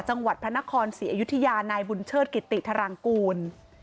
จังหวัดพระนครศรีอยุธยานายบุญเชิดกิติธรังกูล